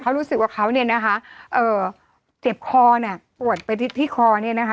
เขารู้สึกว่าเขาเนี่ยนะคะเอ่อเจ็บคอน่ะปวดไปที่คอเนี่ยนะคะ